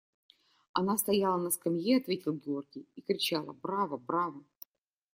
– Она стояла на скамье, – ответил Георгий, – и кричала: «Браво, браво!»